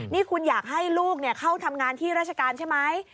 นี่คุณอยากให้ลูกเข้าทำงานที่ราชการใช่ไหม